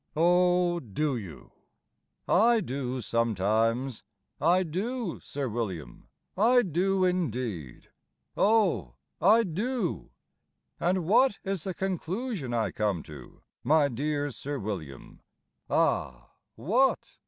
O do you? I do sometimes. I do, Sir William, I do indeed. O, I do! And what is the conclusion I come to, my dear Sir William, Ah, what?